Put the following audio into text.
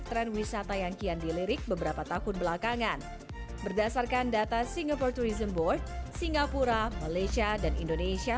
sebelum covid sembilan belas kita melihat perkembangan besar dalam penerbangan dari indonesia